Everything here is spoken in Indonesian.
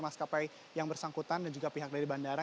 maskapai yang bersangkutan dan juga pihak dari bandara